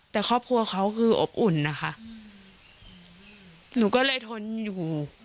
แต่ครอบครัวเขาคืออบอุ่นนะคะหนูก็เลยทนอยู่